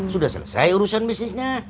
sudah selesai urusan bisnisnya